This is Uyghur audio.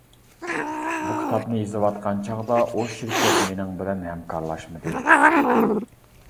بۇ كىتابنى يېزىۋاتقان چاغدا ئۇ شىركەت مېنىڭ بىلەن ھەمكارلاشمىدى.